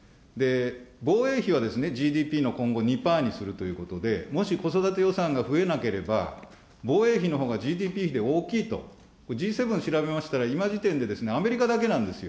防衛費はＧＤＰの今後２パーにするということで、もし子育て予算が増えなければ、防衛費のほうがＧＤＰ比で大きいと、Ｇ７調べましたら、今時点でアメリカだけなんですよ。